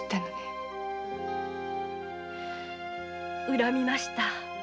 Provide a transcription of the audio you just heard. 恨みました。